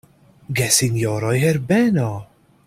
Gesinjoroj Herbeno!